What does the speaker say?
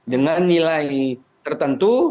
dengan nilai tertentu